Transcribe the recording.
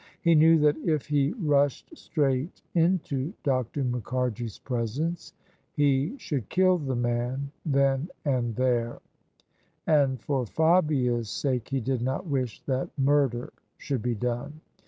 He knew that if he rushed straight into Dr. Mukharji's presence he should kill the man then and there ; and for Fabia's sake he did not wish that murder should be done.